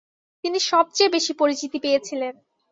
তিনি সবচেয়ে বেশি পরিচিতি পেয়েছিলেন।